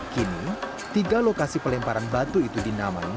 kini tiga lokasi pelemparan batu itu dinamai